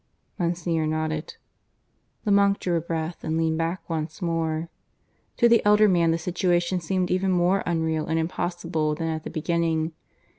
Monsignor nodded. The monk drew a breath and leaned back once more. To the elder man the situation seemed even more unreal and impossible than at the beginning.